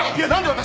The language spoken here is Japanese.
私。